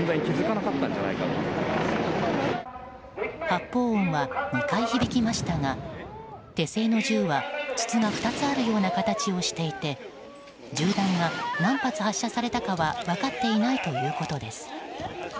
発砲音は２回響きましたが手製の銃は筒が２つあるような形をしていて銃弾が何発発射されたかは分かっていないということです。